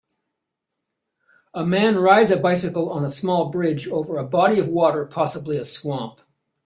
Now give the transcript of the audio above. A man rides a bicycle on a small bridge over a body of water possibly a swamp